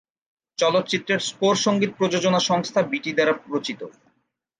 চলচ্চিত্রের স্কোর সঙ্গীত প্রযোজনা সংস্থা বিটি দ্বারা রচিত।